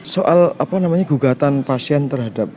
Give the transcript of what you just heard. soal apa namanya gugatan pasien terhadap